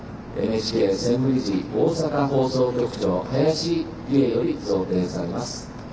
ＮＨＫ大阪放送局長林理恵より贈呈されます。